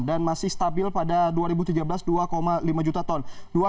dan masih stabil pada dua ribu tiga belas dua lima juta ton